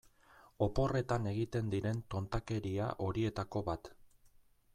Oporretan egiten diren tontakeria horietako bat.